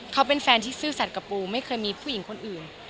เขาเป็นแฟนที่ซื่อสัตว์กับปูไม่เคยมีผู้หญิงคนอื่น